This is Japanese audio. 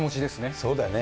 そうだよね。